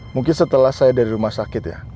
mungkin setelah saya dari rumah sakit ya